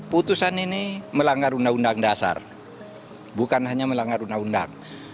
putusan ini melanggar undang undang dasar bukan hanya melanggar undang undang